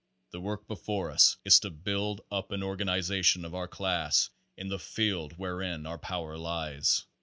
The work before us is to build up an organization of our class in the field wherein our power lies.